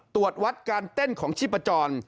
ตรวจวัดการเต้นของชิบประจอน